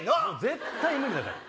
絶対無理だから。